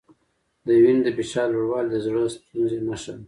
د وینې د فشار لوړوالی د زړۀ ستونزې نښه ده.